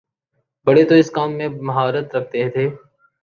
بڑے تو اس کام میں مہارت رکھتے تھے۔